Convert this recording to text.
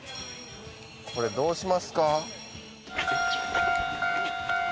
これどうしますか？